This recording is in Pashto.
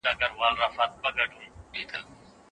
د څېړونکي تر ټولو مهم صفت د هغه اخلاق او کردار دی.